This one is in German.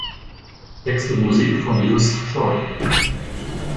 Text und Musik von Just Scheu.